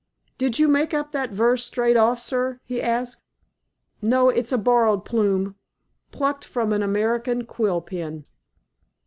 "Did you make up that verse straight off, sir," he asked. "No. It's a borrowed plume, plucked from an American quill pen."